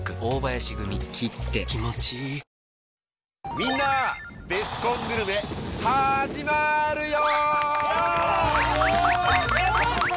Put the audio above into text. みんなベスコングルメ始まるよ